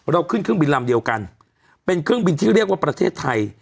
ขึ้นเครื่องบินลำเดียวกันเป็นเครื่องบินที่เรียกว่าประเทศไทย